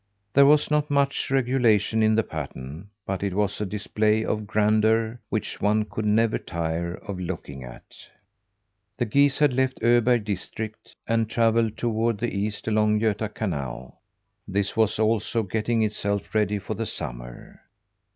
There was not much regulation in the pattern, but it was a display of grandeur which one could never tire of looking at. The geese had left Öberg district, and travelled toward the east along Göta Canal. This was also getting itself ready for the summer.